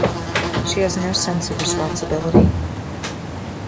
She has no sense of responsibility.